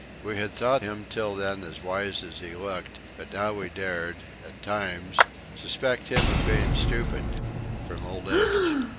We had thought him till then as wise as he looked, but now we dared, at times, suspect him of being stupid from old age.